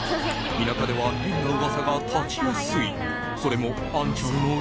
田舎では変な噂が立ちやすい。